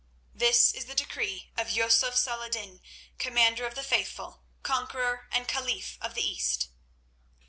This is the decree of Yusuf Salah ed din, Commander of the Faithful, Conqueror and Caliph of the East."